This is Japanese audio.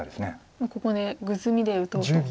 もうここでグズミで打とうと。